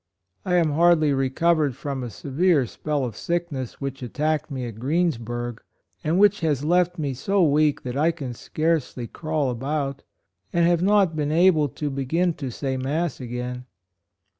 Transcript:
I am hardly recovered from a severe spell of sickness 11* 122 HIS MISSION, which attacked me at Greensburgh, and which has left me so weak that I can scarcely crawl about, and have not been able to begin to say Mass again.